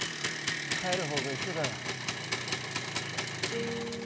帰る方向一緒だろ。